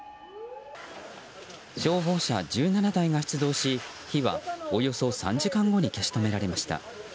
消防車１７台が出動し火は、およそ３時間後に消し止められました。